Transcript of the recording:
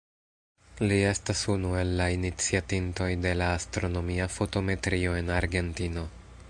Li estas unu el la iniciatintoj de la astronomia fotometrio en Argentino.